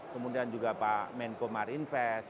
kemudian juga pak menko marinvest